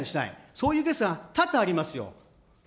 そういうケースが多々ありますよ。